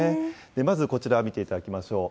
まずこちら見ていただきましょう。